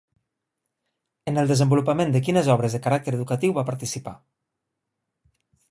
En el desenvolupament de quines obres de caràcter educatiu va participar?